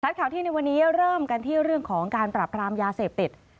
ข่าวที่ในวันนี้เริ่มกันที่เรื่องของการปรับรามยาเสพติด